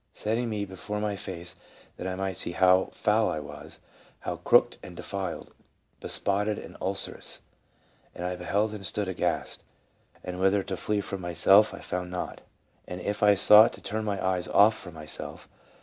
..." setting me be fore my face, that I might see how foul I was, how crooked and defiled, bespotted and ulcerous. And I beheld and stood aghast ; and whither to flee from myself I found not. And if I sought to turn my eyes off from myself.